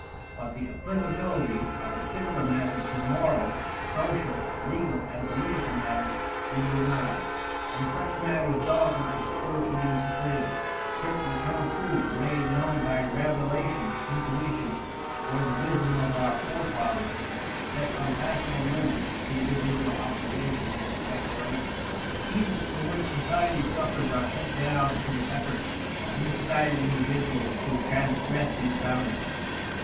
But the applicability of a similar method to morals, social, legal, and political matters, is denied. In such matters, dogma is still to be supreme; certain eternal truths made known by revelation, intuition, or the wisdom of our forefathers set unpassable limits to individual observation and speculation. The evils from which society suffers are set down to the efforts of misguided individuals to transgress these boundaries.